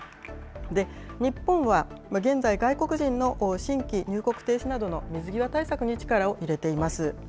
日本は現在、外国人の新規入国停止などの水際対策に力を入れています。